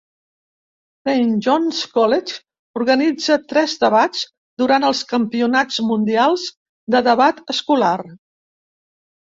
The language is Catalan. Saint John's College organitza tres debats durant els Campionats mundials de debat escolar.